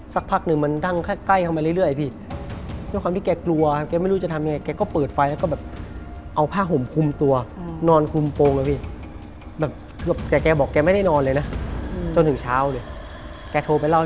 สักพักนึงมันดั้งแค่ใกล้ออกมาเรื่อย